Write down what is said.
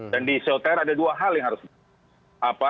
dan di esoter ada dua hal yang harus di isoter